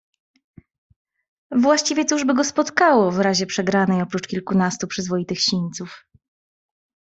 "Właściwie, cóż by go spotkało, w razie przegranej, oprócz kilkunastu przyzwoitych sińców?"